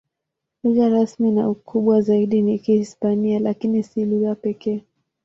Lugha rasmi na kubwa zaidi ni Kihispania, lakini si lugha pekee.